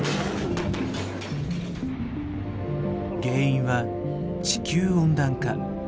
原因は「地球温暖化」。